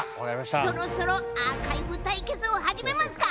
そろそろアーカイブ対決を始めますか。